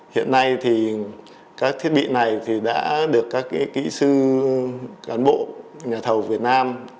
hiện nay thì các thiết bị này thì đã được các kỹ sư đàn bộ nhà thầu việt nam